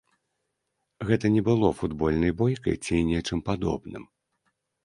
Гэта не было футбольнай бойкай ці нечым падобным.